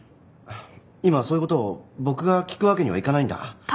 今そういう事を僕が聞くわけにはいかないんだ。